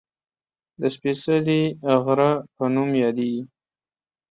د "سپېڅلي غره" په نوم یادېږي